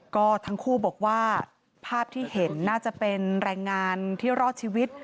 ก็ทั้งคู่บอกว่าภาพที่เห็นน่าจะเป็นแรงงานที่รอดชีวิต